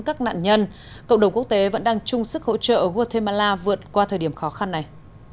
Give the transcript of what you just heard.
các nạn nhân cộng đồng quốc tế vẫn đang chung sức hỗ trợ guatemala vượt qua thời điểm khó khăn này